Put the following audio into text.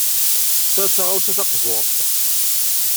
Ta d taɣawsa taqburt.